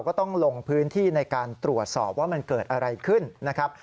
ก็ต้องลงพื้นที่ในการตรวจสอบว่ามันเกิดอะไรขึ้นนะครับ